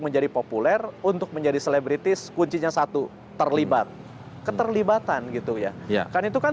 menjadi populer untuk menjadi selebritis kuncinya satu terlibat keterlibatan gitu ya kan itu kan